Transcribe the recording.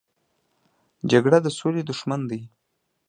جګړه د سولې دښمن دی